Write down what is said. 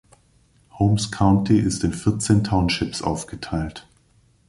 Holmes County ist in vierzehn Townships aufgeteilt.